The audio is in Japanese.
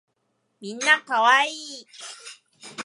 みんな可愛い